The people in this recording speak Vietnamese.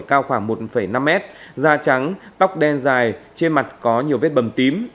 cao khoảng một năm mét da trắng tóc đen dài trên mặt có nhiều vết bầm tím